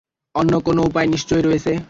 অন্য কোনো উপায় নিশ্চয়ই রয়েছে!